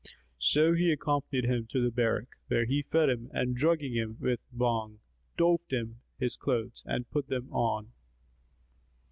So he accompanied him to the barrack, where he fed him and drugging him with Bhang, doffed his clothes and put them on.